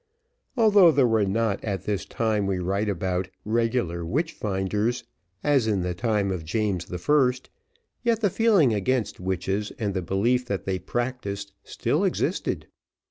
Although there were not, at the time we write about, regular witch finders, as in the time of James I., still the feeling against witches, and the belief that they practised, still existed.